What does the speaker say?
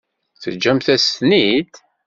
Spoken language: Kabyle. Teǧǧamt-as-ten-id?